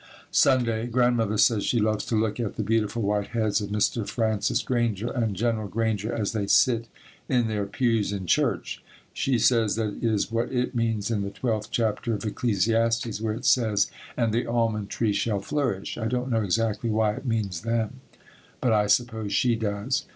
Sunday. Grandmother says she loves to look at the beautiful white heads of Mr. Francis Granger and General Granger as they sit in their pews in church. She says that is what it means in the twelfth chapter of Ecclesiastes where it says, "And the almond tree shall flourish." I don't know exactly why it means them, but I suppose she does.